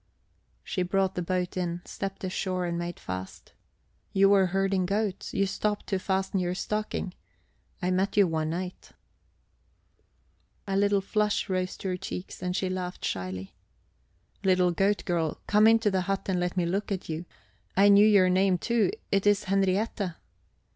She brought the boat in, stepped ashore, made fast. "You were herding goats. You stopped to fasten your stocking. I met you one night." A little flush rose to her cheeks, and she laughed shyly. "Little goat girl, come into the hut and let me look at you. I knew your name, too it is Henriette."